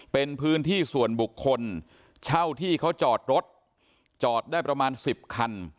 เป็นพื้นที่ส่วนบุคคลเช่าที่เขาจอดรถจอดได้ประมาณ๑๐คัน